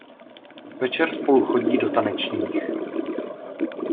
Večer spolu chodí do tanečních.